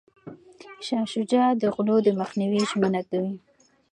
شاه شجاع د غلو د مخنیوي ژمنه کوي.